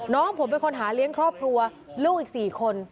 น้องผมเป็นคนหาเลี้ยงครอบครัวลูกอีก๔คน